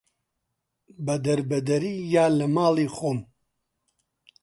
بە دەربەدەری یان لە ماڵی خۆم